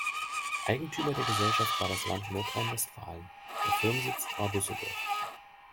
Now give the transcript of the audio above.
Eigentümer der Gesellschaft war das Land Nordrhein-Westfalen, der Firmensitz war Düsseldorf.